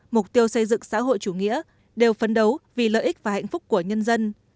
mục tiêu xây dựng xã hội chủ nghĩa đều phấn đấu vì lợi ích và hạnh phúc của nhân dân